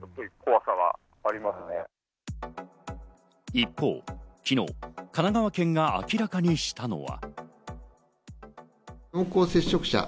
一方、昨日、神奈川県が明らかにしたのは。